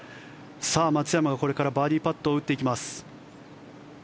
松山がこれからバーディーパットを打っていきます。